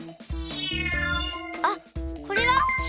あっこれは？